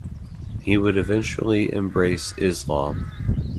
He would eventually embrace Islam.